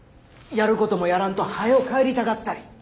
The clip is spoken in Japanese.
やることもやらんとはよ帰りたがったり。